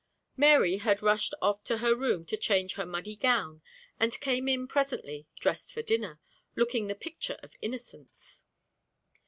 Mary had rushed off to her room to change her muddy gown, and came in presently, dressed for dinner, looking the picture of innocence.